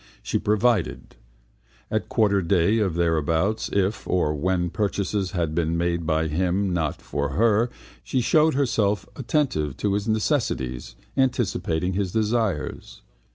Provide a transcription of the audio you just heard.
She provided: at quarter day or thereabouts if or when purchases had been made by him not for her she showed herself attentive to his necessities, anticipating his desires.